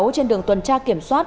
trên đường tuần tra kiểm soát